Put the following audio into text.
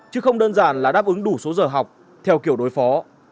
chứ không đơn giản là đáp ứng đủ số giờ học theo kiểu đối phó